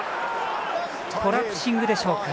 コラプシングでしょうか。